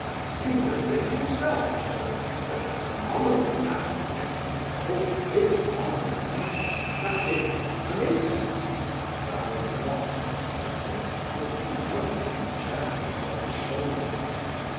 "You will admit yourself, general, that for an honourable man, if the author is an honourable man, that is an—an insult," growled the boxer suddenly, with convulsive jerkings of his shoulders.